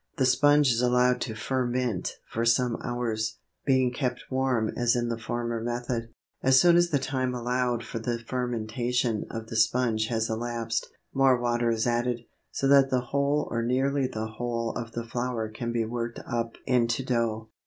The sponge is allowed to ferment for some hours, being kept warm as in the former method. As soon as the time allowed for the fermentation of the sponge has elapsed, more water is added, so that the whole or nearly the whole of the flour can be worked up into dough.